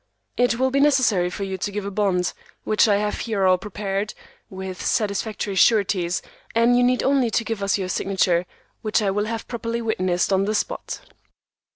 It will be necessary for you to give a bond, which I have here all prepared, with satisfactory sureties, and you need only give us your signature, which I will have properly witnessed on the spot."